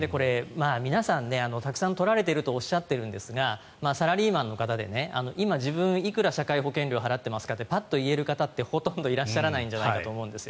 皆さん、たくさん取られているとおっしゃっているんですがサラリーマンの方で今自分がいくら社会保険料を払っているのかをパッと言える人はほとんどいらっしゃらないんじゃないかと思うんです。